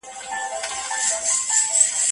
له خپل جهله ځي دوږخ ته دا اولس خانه خراب دی